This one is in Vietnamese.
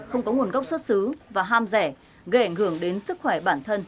không có nguồn gốc xuất xứ và ham rẻ gây ảnh hưởng đến sức khỏe bản thân